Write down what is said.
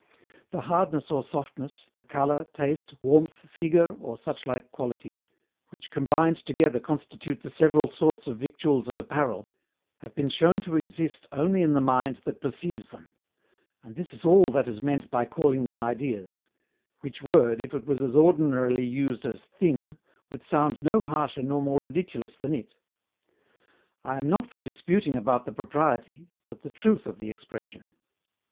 The hardness or softness, the colour, taste, warmth, figure, or suchlike qualities, which combined together constitute the several sorts of victuals and apparel, have been shown to exist only in the mind that perceives them; and this is all that is meant by calling them IDEAS; which word if it was as ordinarily used as THING, would sound no harsher nor more ridiculous than it. I am not for disputing about the propriety, but the truth of the expression.